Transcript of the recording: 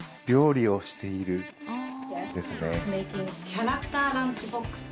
キャラクターランチボックス。